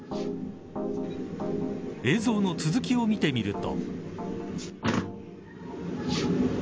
映像の続きを見てみると。